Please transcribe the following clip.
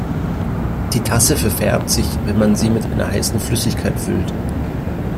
Die Tasse verfärbt sich, wenn man sie mit einer heißen Flüssigkeit füllt.